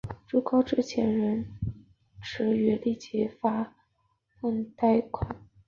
朱高炽遣人驰谕立即发廪赈贷。